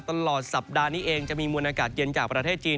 ตลอดสัปดาห์นี้เองจะมีมวลอากาศเย็นจากประเทศจีน